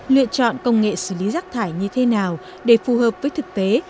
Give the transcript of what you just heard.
lựa chọn công nghệ xử lý rác thải như thế nào để phù hợp với thực tế